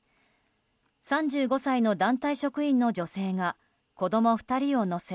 ３５歳の団体職員の女性が子供２人を乗せ